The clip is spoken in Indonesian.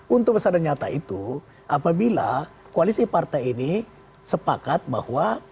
untung besar dan nyata itu apabila koalisi partai ini sepakat bahwa